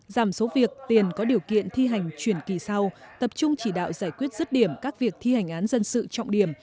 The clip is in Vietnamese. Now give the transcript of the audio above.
giảm số việc tiền có điều kiện thi hành chuyển kỳ sau tập trung chỉ đạo giải quyết rứt điểm các việc thi hành án dân sự trọng điểm